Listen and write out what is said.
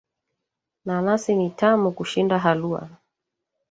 Nanasi ni tamu kushinda halua